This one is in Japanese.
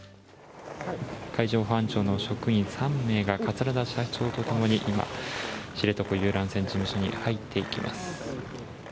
海上保安庁の職員３名が桂田社長と共に、今、知床遊覧船に入っていきます。